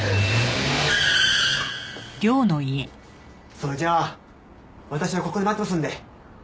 それじゃあ私はここで待ってますんで。